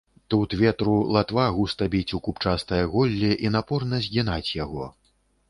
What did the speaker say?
Тут ветру латва густа біць у купчастае голле і напорна згінаць яго.